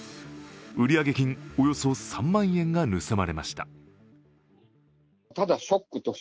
売上金およそ３万円が盗まれました